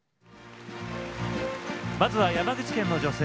まずは山口県の女性